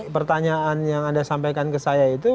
pertanyaan yang anda sampaikan ke saya itu